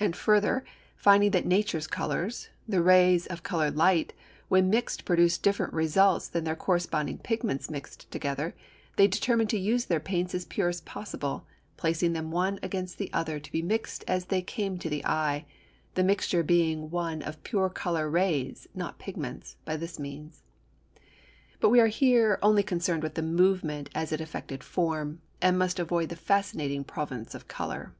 And further, finding that nature's colours (the rays of coloured light) when mixed produced different results than their corresponding pigments mixed together, they determined to use their paints as pure as possible, placing them one against the other to be mixed as they came to the eye, the mixture being one of pure colour rays, not pigments, by this means. But we are here only concerned with the movement as it affected form, and must avoid the fascinating province of colour.